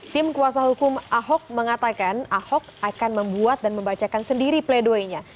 tim kuasa hukum ahok mengatakan ahok akan membuat dan membacakan sendiri play doy nya